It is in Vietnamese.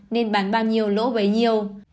nên bán bao nhiêu lỗ với nhiều